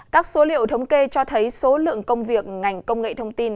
các số liệu thống kê cho thấy số lượng công việc ngành công nghệ thông tin